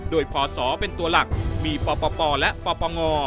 โดยพศเป็นตัวหลักมีปปและปปง